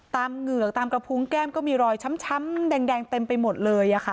ตามเหงื่องตามกระพุงแก้มก็มีรอยช้มแดงแดงไปหมดเลยอ่ะค่ะ